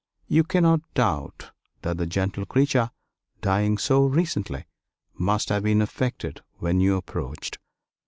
You cannot doubt that the gentle creature, dying so recently, must have been affected when you approached.